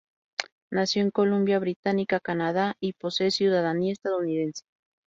Nació en Columbia Británica, Canadá, y posee ciudadanía estadounidense.